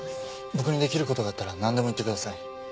僕にできることがあったら何でも言ってください。